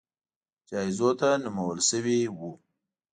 جایزو ته نومول شوي وو